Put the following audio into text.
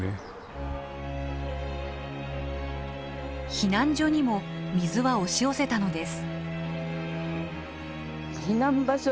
避難所にも水は押し寄せたのです。